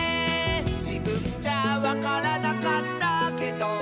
「じぶんじゃわからなかったけど」